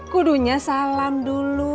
kudunya salam dulu